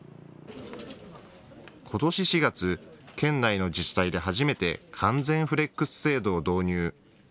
ことし４月、県内の自治体で初めて完全フレックス制度を導入。